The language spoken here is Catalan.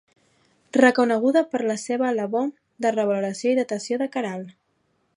Reconeguda per la seva labor de revaloració i datació de Caral.